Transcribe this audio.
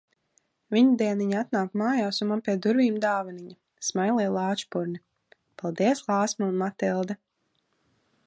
Viņdieniņ atnāku mājās un man pie durvīm dāvaniņa-Smailie lāčpurni! Paldies Lāsma un Matilde!